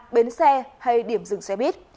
bến xe hay điểm dừng xe bít